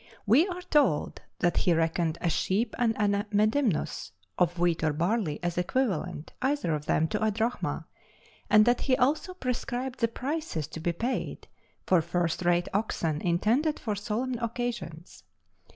We are told that he reckoned a sheep and a medimnus (of wheat or barley?) as equivalent, either of them, to a drachma, and that he also prescribed the prices to be paid for first rate oxen intended for solemn occasions.